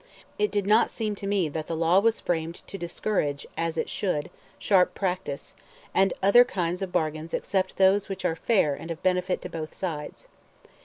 It did not seem to me that the law was framed to discourage as it should sharp practice, and all other kinds of bargains except those which are fair and of benefit to both sides.